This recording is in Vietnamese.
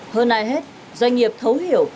hơn ai hết doanh nghiệp thấu hiểu